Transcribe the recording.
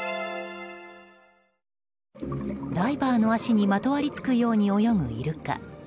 ダイバーの足にまとわりつくように泳ぐイルカ。